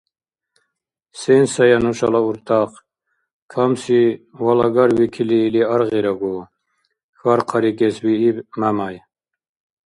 — Сен сая нушала уртахъ? Камси валагарвикили или аргъирагу? — хьар-хъарикӀесвииб Мямяй.